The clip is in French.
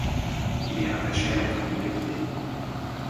Il est rattaché à la commune de Guider.